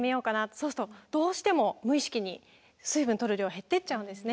そうするとどうしても無意識に水分とる量減っていっちゃうんですね。